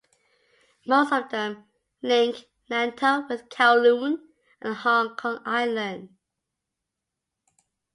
Most of them link Lantau with Kowloon and Hong Kong Island.